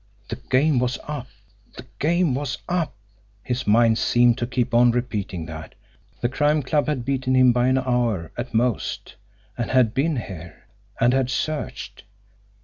"The game was up! The game was up!" his mind seemed to keep on repeating that. The Crime Club had beaten him by an hour, at most, and had been here, and had searched.